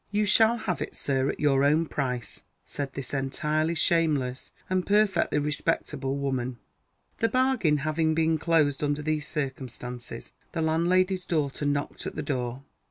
"You shall have it, Sir, at your own price," said this entirely shameless and perfectly respectable woman. The bargain having been closed under these circumstances, the landlady's daughter knocked at the door.